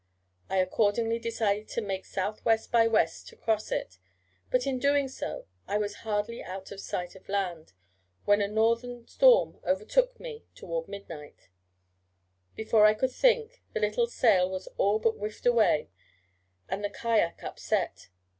I accordingly decided to make S.W. by W. to cross it, but, in doing so, I was hardly out of sight of land, when a northern storm overtook me toward midnight; before I could think, the little sail was all but whiffed away, and the kayak upset.